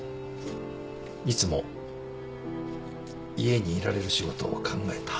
いつも家にいられる仕事を考えた。